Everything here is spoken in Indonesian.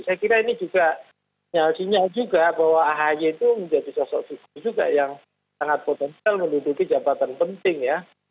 saya kira ini juga sinyal juga bahwa ahy itu menjadi sosok figur juga yang sangat potensial menduduki jabatan penting ya